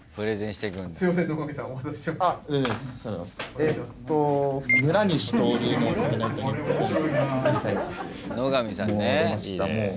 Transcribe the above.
えっと野上さんね。